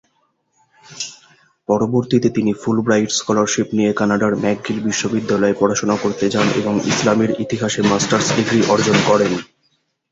পরবর্তীতে তিনি Fulbright scholarship নিয়ে কানাডার ম্যাকগিল বিশ্ববিদ্যালয়ে পড়াশুনা করতে যান এবং ইসলামের ইতিহাসে মাস্টার্স ডিগ্রি অর্জন করেন।